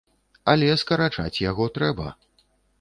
Але скарачаць яго трэба.